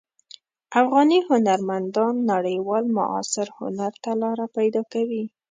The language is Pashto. افغاني هنرمندان نړیوال معاصر هنر ته لاره پیدا کوي.